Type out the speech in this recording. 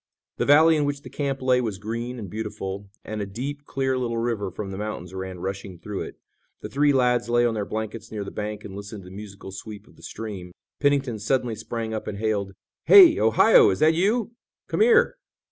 The valley in which the camp lay was green and beautiful, and a deep, clear little river from the mountains, ran rushing, through it. The three lads lay on their blankets near the bank and listened to the musical sweep of the stream. Pennington suddenly sprang up and hailed: "Hey, Ohio, is that you? Come here!"